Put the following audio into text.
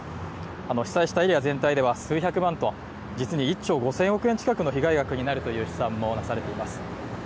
被災したエリア全体では数百万トン実に１兆５０００億円規模の被害額になるという試算も出されています。